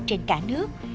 trên cả nước